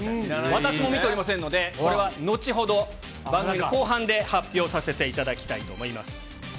私も見ておりませんので、これは後ほど、番組の後半で発表させていただきたいと思います。